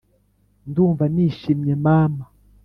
Ndumva nishimye mama.